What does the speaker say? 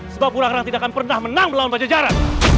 sebab kurang renang tidak akan pernah menang melawan bajajara